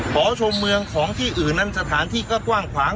หอชมเมืองของที่อื่นนั้นสถานที่ก็กว้างขวาง